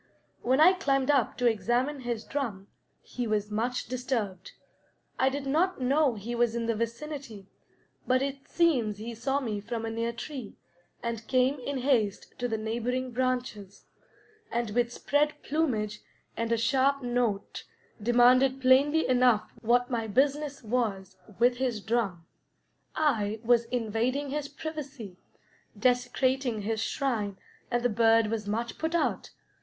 When I climbed up to examine his drum, he was much disturbed. I did not know he was in the vicinity, but it seems he saw me from a near tree, and came in haste to the neighboring branches, and with spread plumage and a sharp note demanded plainly enough what my business was with his drum. I was invading his privacy, desecrating his shrine, and the bird was much put out.